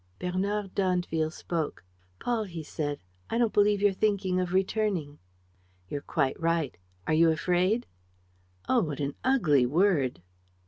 Bernard d'Andeville spoke: "Paul," he said, "I don't believe you're thinking of returning." "You're quite right. Are you afraid?" "Oh, what an ugly word!"